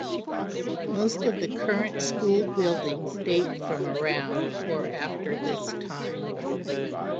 Most of the current school buildings date from around or after this time.